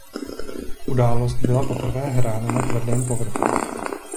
Událost byla poprvé hrána na tvrdém povrchu.